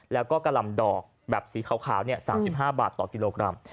แล้วก็กะหล่ำดอกแบบสีขาว๓๕บาทต่อกิโลกรัม